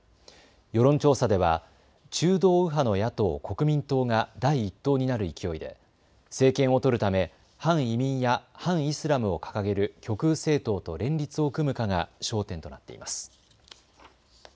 世論調査では中道右派の野党・国民党が第１党になる勢いで政権を取るため反移民や反イスラムを掲げる極右政党と連立を組むかが焦点となっています。